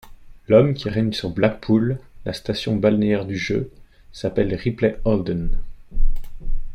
L'homme qui règne sur Blackpool, la station balnéaire du jeu, s'appelle Ripley Holden.